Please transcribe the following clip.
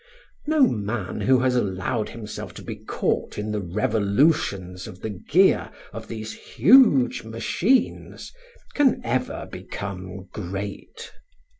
No man who has allowed himself to be caught in the revolutions of the gear of these huge machines can ever become great.